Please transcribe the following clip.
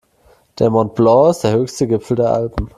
Der Mont Blanc ist der höchste Gipfel der Alpen.